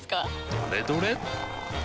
どれどれっ！